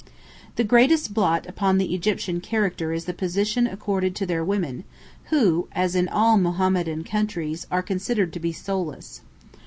The greatest blot upon the Egyptian character is the position accorded to their women, who, as in all Mohammedan countries, are considered to be soulless.